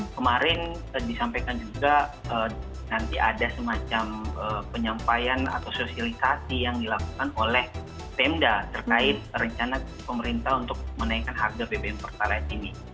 kemarin disampaikan juga nanti ada semacam penyampaian atau sosialisasi yang dilakukan oleh pemda terkait rencana pemerintah untuk menaikkan harga bbm pertalite ini